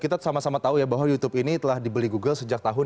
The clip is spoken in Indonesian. kita sama sama tahu ya bahwa youtube ini telah dibeli google sejak tahun dua ribu dua